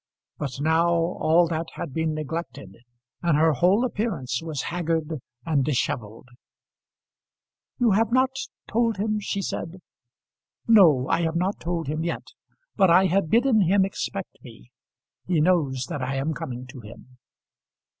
But now all that had been neglected, and her whole appearance was haggard and dishevelled. "You have not told him?" she said. "No; I have not told him yet; but I have bidden him expect me. He knows that I am coming to him."